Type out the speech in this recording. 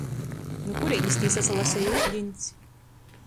Nu kurīnis tī sasalaseja iudiņs?